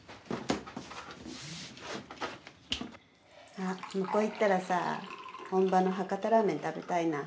あ向こう行ったらさ本場の博多ラーメン食べたいな。